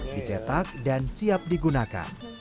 dicetak dan siap digunakan